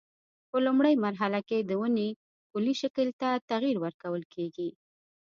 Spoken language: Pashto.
په لومړۍ مرحله کې د ونې کلي شکل ته تغییر ورکول کېږي.